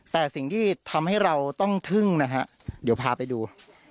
แต่สิ่งที่ทำให้เราต้องทึ่งนะฮะเดี๋ยวพาไปดู